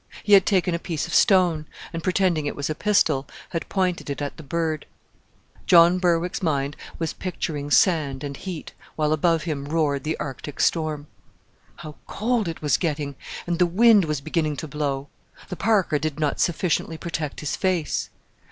He had taken a piece of stone, and, pretending it was a pistol, had pointed it at the bird.... John Berwick's mind was picturing sand and heat, while above him roared the Arctic storm. How cold it was getting, and the wind was beginning to blow! The parka did not sufficiently protect his face.